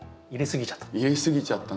入れ過ぎちゃった？